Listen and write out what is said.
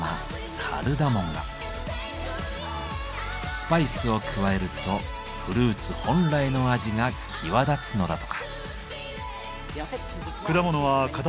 スパイスを加えるとフルーツ本来の味が際立つのだとか。